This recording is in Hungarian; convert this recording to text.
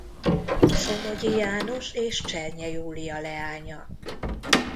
Somogyi János és Csernye Júlia leánya.